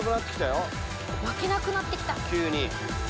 急に。